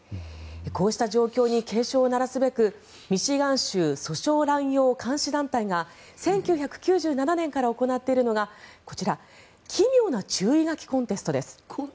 こうした状況に警鐘を鳴らすべくミシガン州訴訟乱用監視団体が１９９７年から行っているのがこちら奇妙な注意書きコンテストです。